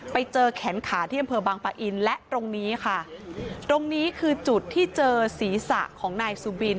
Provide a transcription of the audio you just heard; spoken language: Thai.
ไปเจอแขนขาที่อำเภอบางปะอินและตรงนี้ค่ะตรงนี้คือจุดที่เจอศีรษะของนายสุบิน